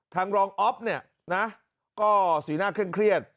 ทางรองอ๊อปเนี่ยก็สีหน้าเครื่องเครียด